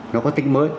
nó có tính mới